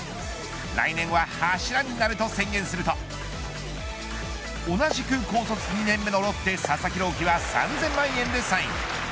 来年は柱になると宣言すると同じく高卒２年目のロッテ、佐々木朗希は３０００万円でサイン。